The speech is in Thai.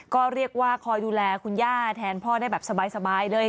ก็เรียกว่าคอยดูแลคุณย่าแทนพ่อได้แบบสบายเลย